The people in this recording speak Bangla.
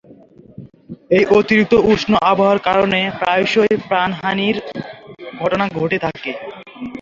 এই অতিরিক্ত উষ্ণ আবহাওয়ার কারণে প্রায়শই প্রাণহানির ঘটনা ঘটে থাকে।